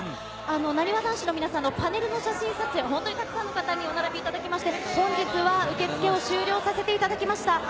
なにわ男子の皆さんのパネルの写真撮影、たくさんの方にお並びいただきまして、本日、受付終了させていただきました。